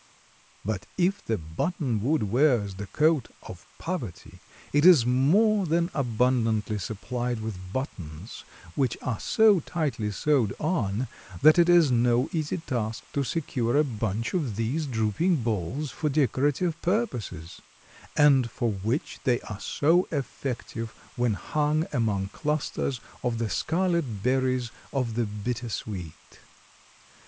But if the buttonwood wears the coat of poverty, it is more than abundantly supplied with buttons, which are so tightly sewed on that it is no easy task to secure a bunch of these drooping balls for decorative purposes, and for which they are so effective when hung among clusters of the scarlet berries of the bitter sweet.